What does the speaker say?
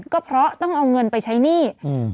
ก็เพราะต้องเอาเงินไปใช้หนี้